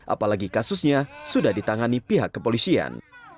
apalagi kasusnya sudah ditangani pihak kepolisian